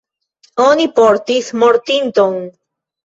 Oni portis mortinton.